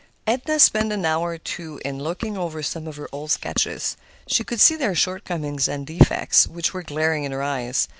Edna spent an hour or two in looking over some of her old sketches. She could see their shortcomings and defects, which were glaring in her eyes.